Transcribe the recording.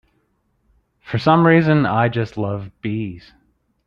For some reason I just love bees.